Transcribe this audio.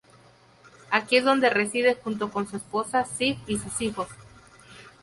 Aquí es donde reside junto con su esposa Sif y sus hijos.